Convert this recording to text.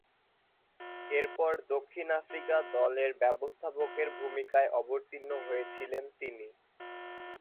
এরপর দক্ষিণ আফ্রিকা দলের ব্যবস্থাপকের ভূমিকায় অবতীর্ণ হয়েছিলেন তিনি।